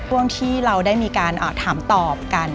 ช่วงที่เราได้มีการถามตอบกัน